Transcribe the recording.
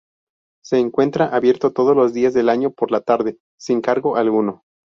Se encuentra abierto todos los días del año por la tarde, sin cargo alguno.